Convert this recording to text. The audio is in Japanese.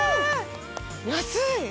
安い！